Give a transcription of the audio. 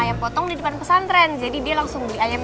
ayam potong di depan pesantren jadi dia langsung beli ayam